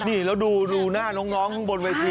นี่แล้วดูหน้าน้องข้างบนเวที